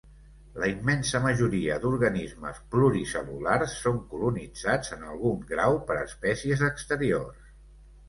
La immensa majoria d'organismes pluricel·lulars són colonitzats en algun grau per espècies exteriors.